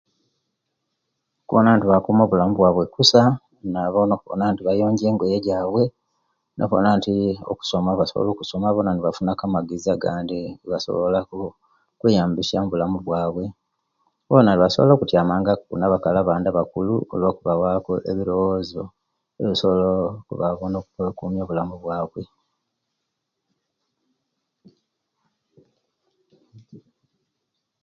Kuwona nti bakuuma obulamu bwabwe kusa, bayonja engoye jaawe nokuwona nti okusoma basobola okusoma nibafunaku amagezi agandi nabasobolaku okweeyambisiaku omubulamu bwabwe bona basobola okutyamangaku nabakali abandi abakulu, nibabawaaku ebirowozo ebisowola, okubawa nokwekuma obulamu bwaabwe.